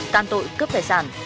tan tội cướp tài sản